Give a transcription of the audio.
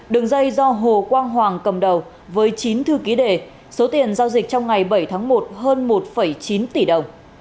đường dây do hồ quang hoàng cầm đầu với chín thư ký đề số tiền giao dịch trong ngày bảy tháng một hơn một chín tỷ đồng